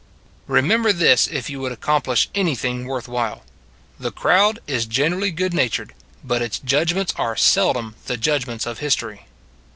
Remember this if you would accomplish anything worth while : The crowd is gen erally good natured, but its judgments are seldom the judgments of history.